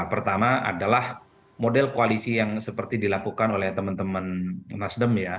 pertama adalah model koalisi yang seperti dilakukan oleh teman teman nasdem ya